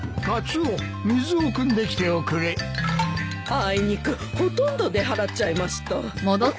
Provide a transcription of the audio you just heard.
あいにくほとんど出払っちゃいました。